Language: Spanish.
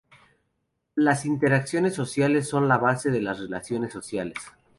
Las interacciones sociales son la base de la relación sociales.